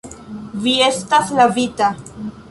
Vi estas lavita.